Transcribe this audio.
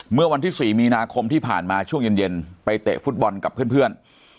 เมื่อวันที่๔มีนาคมที่ผ่านมาช่วงเย็นไปเตะฟุตบอลกับเพื่อน